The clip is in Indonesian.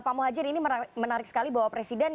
pak muhajir ini menarik sekali bahwa presiden